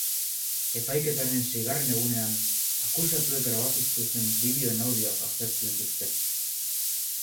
Epaiketaren seigarren egunean, akusatuek grabatu zituzten bideoen audioak aztertu dituzte.